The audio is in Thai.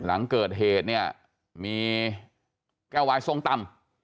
หลังเกิดเหตุเนี่ยมีแก้ววายทรงต่ำ